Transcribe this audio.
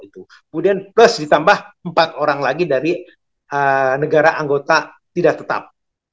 kemudian plus ditambah empat orang lagi dari negara anggota tidak tetap